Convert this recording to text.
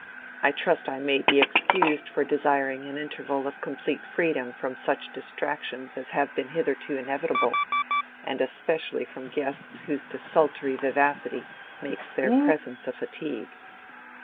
I trust I may be excused for desiring an interval of complete freedom from such distractions as have been hitherto inevitable, and especially from guests whose desultory vivacity makes their presence a fatigue."